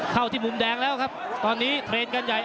เข้าที่มุมแดงแล้วครับตอนนี้เทรนด์กันใหญ่